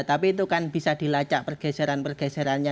tapi itu kan bisa dilacak pergeseran pergeserannya